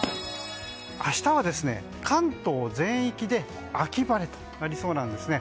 明日は関東全域で秋晴れとなりそうなんですね。